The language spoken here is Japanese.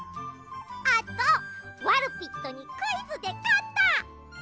あとワルピットにクイズでかった！